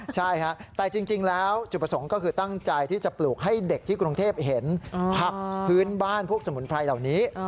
ใช่ฮะแต่จริงแล้วจุดประสงค์ก็คือตั้งใจที่จะปลูกให้เด็กที่กรุงเทพเห็นผักพื้นบ้านพวกสมุนไพรเหล่านี้